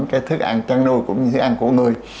cái thức ăn chăn đồ cũng như thức ăn của người